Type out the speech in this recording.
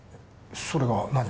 それが何か？